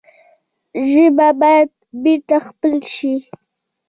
ژبه باید بېرته خپل شي.